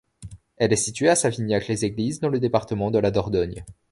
Elle est située à Savignac-les-Églises, dans le département de la Dordogne.